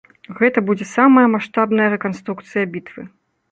Гэта будзе самая маштабная рэканструкцыя бітвы.